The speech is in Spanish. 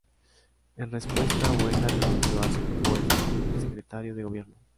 En respuesta Buelna renunció a su puesto de Secretario de Gobierno.